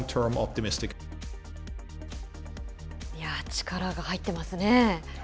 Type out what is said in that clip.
力が入ってますね。